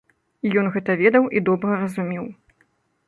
І ён гэта ведаў і добра разумеў.